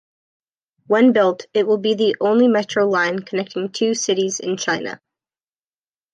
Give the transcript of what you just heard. When built, it will be the only metro line connecting two cities in China.